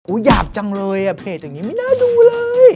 อยากจังเลยอ่ะเพจอย่างนี้ไม่น่าดูเลย